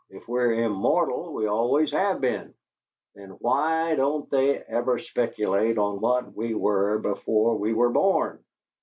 If we're immortal, we always have been; then why don't they ever speculate on what we were before we were born?